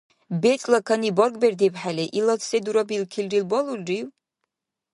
БецӀла кани баргбердибхӀели, илад се дурабикилрил балулрив?